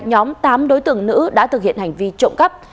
nhóm tám đối tượng nữ đã thực hiện hành vi trộm cắp